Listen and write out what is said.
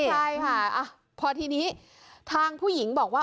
ใช่ค่ะพอทีนี้ทางผู้หญิงบอกว่า